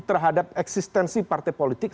terhadap eksistensi partai politik